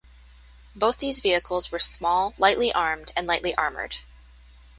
Both these vehicles were small, lightly armed and lightly armoured.